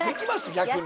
逆に。